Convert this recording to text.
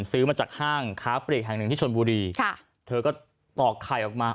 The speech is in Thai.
ซื้อมาจากห้างค้าปลีกแห่งหนึ่งที่ชนบุรีค่ะเธอก็ตอกไข่ออกมา